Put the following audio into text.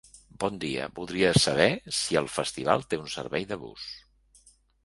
Bon dia, voldria saber si el festival té un servei de bus.